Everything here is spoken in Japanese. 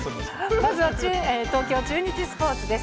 まずは東京中日スポーツです。